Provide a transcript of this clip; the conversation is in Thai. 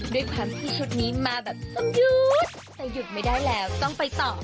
ด้วยความที่ชุดนี้มาแบบต้องหยุดแต่หยุดไม่ได้แล้วต้องไปต่อ